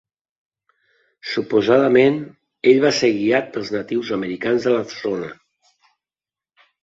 Suposadament, ell va ser guiat pels natius americans de la zona.